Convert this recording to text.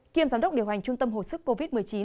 kiêm giám đốc điều hành trung tâm hồi sức covid một mươi chín